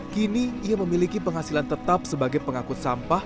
kini ia memiliki penghasilan tetap sebagai pengangkut sampah